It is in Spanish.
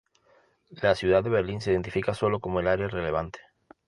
La ciudad de Berlín se identifica sólo como el "área relevante".